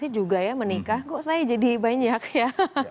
saya juga ya menikah kok saya jadi banyak ya